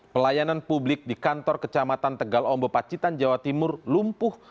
pelayanan publik di kantor kecamatan tegal ombo pacitan jawa timur lumpuh